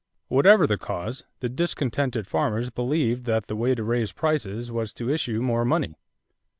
Whatever the cause, the discontented farmers believed that the way to raise prices was to issue more money.